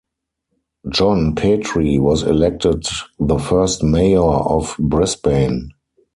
John Petrie was elected the first mayor of Brisbane.